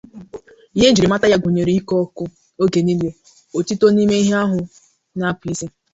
Ihe ejiri amata ya gụnyere ịkọ ọkọ oge niile, otito n'ime ahụ na ikpu isi.